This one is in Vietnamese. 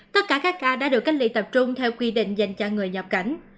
tất cả các ca đã được cách ly tập trung theo quy định dành cho người nhập cảnh